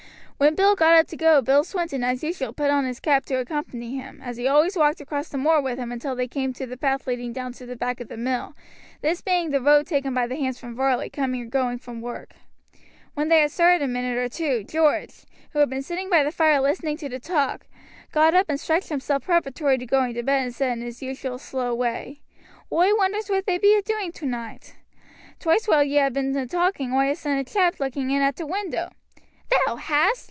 When Ned got up to go Bill Swinton as usual put on his cap to accompany him, as he always walked across the moor with him until they came to the path leading down to the back of the mill, this being the road taken by the hands from Varley coming and going from work. When they had started a minute or two George, who had been sitting by the fire listening to the talk, got up and stretched himself preparatory to going to bed, and said in his usual slow way: "Oi wonders what they be a doing tonoight. Twice while ye ha' been a talking oi ha' seen a chap a looking in at t' window." "Thou hast!"